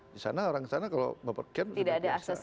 di sana orang orang kalau berpergian tidak bisa